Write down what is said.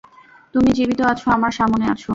তুমি জীবিত আছো আমার সামনে আছো।